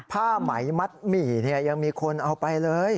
ผ้าไหมมัดหมี่ยังมีคนเอาไปเลย